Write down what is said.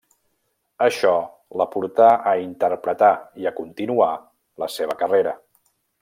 Això la portà a interpretar i a continuar la seva carrera.